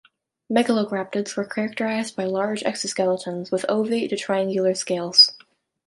Megalograptids were characterized by large exoskeletons with ovate to triangular scales.